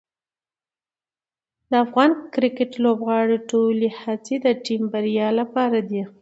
د افغان کرکټ لوبغاړو ټولې هڅې د ټیم بریا لپاره دي.